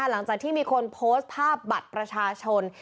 หลังจากที่มีคนโพสต์ภาพบัตรประชาชน